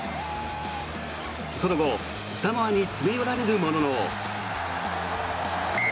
その後、サモアに詰め寄られるものの。